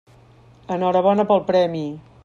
Enhorabona pel premi.